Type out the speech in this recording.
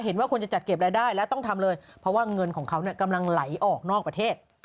เห็นว่าควรจะจัดเก็บรายได้และต้องทำเลยเพราะว่าเงินของเขากำลังไหลออกนอกประเทศ